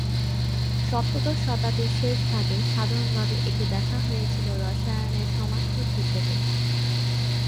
সপ্তদশ শতাব্দীর শেষভাগে সাধারণভাবে একে দেখা হয়েছিল রসায়নের সমার্থক হিসেবে।